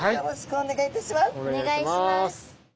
お願いします。